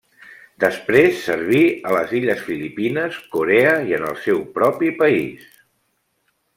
Després serví a les illes Filipines, Corea i en el seu propi país.